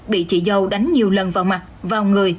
bị chị dâu đánh nhiều lần vào mặt vào người